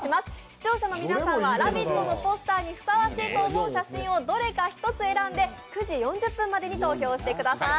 視聴者の皆さんは「ラヴィット！」のポスターにふさわしいと思う写真をどれか１つ選んで９時４０分までに投票してください。